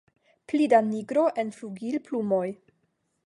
Pli da nigro en flugilplumoj.